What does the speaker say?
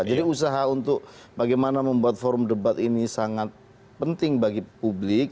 jadi usaha untuk bagaimana membuat forum debat ini sangat penting bagi publik